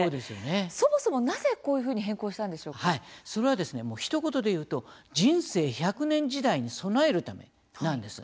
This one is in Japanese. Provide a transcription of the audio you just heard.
そもそも、なぜこういうふうにそれは、ひと言で言うと人生１００年時代に備えるためなんです。